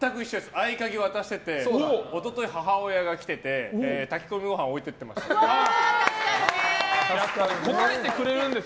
合鍵を渡してて一昨日、母親が来てて炊き込みご飯置いてってます。